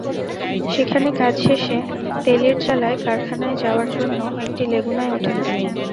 সেখানে কাজ শেষে তেলিরচালায় কারখানায় যাওয়ার জন্য একটি লেগুনায় ওঠেন তিনি।